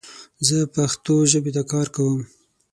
زه پښتو ژبې ته کار کوم